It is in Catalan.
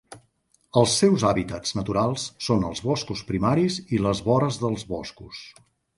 Els seus hàbitats naturals són els boscos primaris i les vores dels boscos.